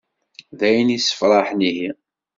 D ayen issefṛaḥen ihi.